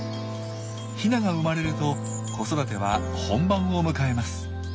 ヒナが生まれると子育ては本番を迎えます。